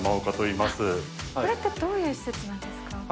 これってどういう施設なんですか？